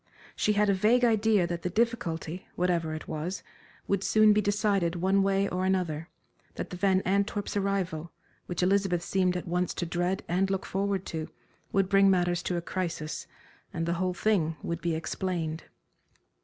She had a vague idea that the difficulty, whatever it was, would soon be decided one way or another, that the Van Antwerps' arrival, which Elizabeth seemed at once to dread and look forward to, would bring matters to a crisis, and the whole thing would be explained.